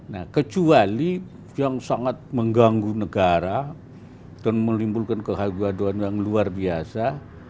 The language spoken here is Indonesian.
nah kecuali yang sangat mengganggu negara dan melimpulkan kehaduan kehaduan yang luar biasa